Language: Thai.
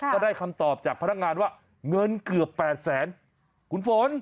ก็ได้คำตอบจากพนักงานว่าเงินเกือบ๘แสนคุณฝน